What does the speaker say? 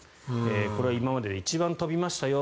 これは今までで一番飛びましたよ